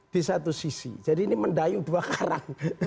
di satu sisi jadi ini mendayung dua karang